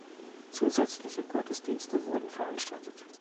Zusätzliche Gottesdienste wurden veranstaltet.